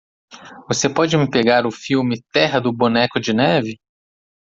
Você pode me pegar o filme Terra do Boneco de Neve?